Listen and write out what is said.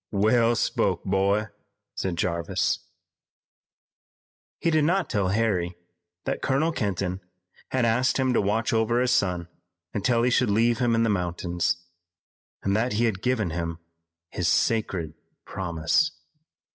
"Well spoke, boy," said Jarvis. He did not tell Harry that Colonel Kenton had asked him to watch over his son until he should leave him in the mountains, and that he had given him his sacred promise.